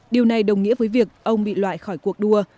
điều này đồng nghĩa với việc ông bị loại khỏi cuộc đua